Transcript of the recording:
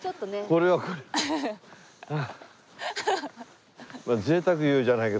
これはこれは。